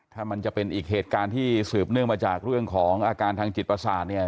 ถ้ามันจะเป็นอีกเหตุการณ์ที่สืบเนื่องมาจากเรื่องของอาการทางจิตประสาทเนี่ย